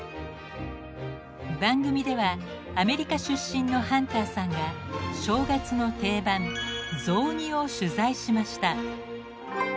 番組ではアメリカ出身のハンターさんが正月の定番「雑煮」を取材しました。